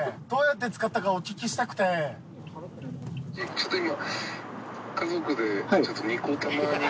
ちょっと今。